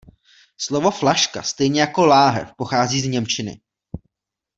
Slovo flaška, stejně jako láhev, pochází z němčiny.